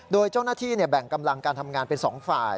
โดยเจ้าหน้าที่แบ่งกำลังการทำงานเป็น๒ฝ่าย